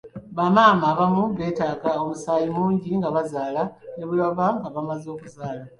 Bamaama abamu beetaaga omusaayi mungi nga bazaala ne bwe baba bamaze okuzaala.